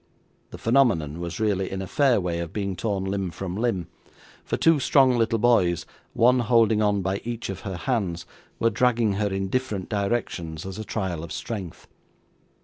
The phenomenon was really in a fair way of being torn limb from limb; for two strong little boys, one holding on by each of her hands, were dragging her in different directions as a trial of strength.